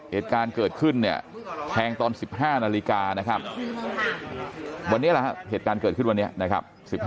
เหตุการณ์เกิดขึ้นแทงตอน๑๕นาฬิกานะครับ